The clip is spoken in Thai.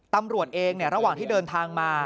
ตำรวจเองระหว่างที่เดินทางมา